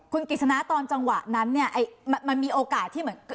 คุณกิจสนาตอนจังหวะนั้นเนี่ยมันมีโอกาสที่เหมือน